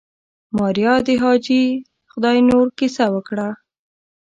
ماريا د حاجي خداينور کيسه وکړه.